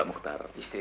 agar tidak ada hal lagi